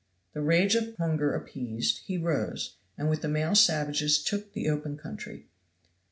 The rage of hunger appeased, he rose, and with the male savages took the open country.